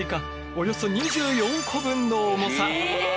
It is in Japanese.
およそ２４個分の重さ。